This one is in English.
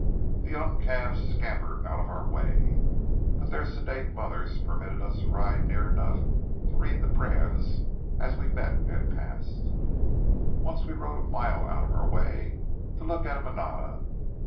The young calves scampered out of our way, but their sedate mothers permitted us to ride near enough to read the brands as we met and passed. Once we rode a mile out of our way to look at a manada.